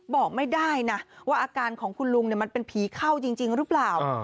บอกไม่ได้นะว่าอาการของคุณลุงมันเป็นผีเข้าจริงหรือเปล่า